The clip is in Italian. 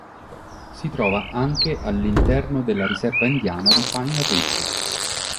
Si trova anche all'interno della riserva indiana di Pine Ridge.